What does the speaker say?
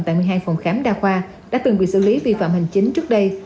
tại một mươi hai phòng khám đa khoa đã từng bị xử lý vi phạm hành chính trước đây